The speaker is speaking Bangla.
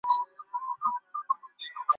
অমি তো মাস্টারমশায় নই, আমি ফাঁকা শ্রদ্ধা চাই নে।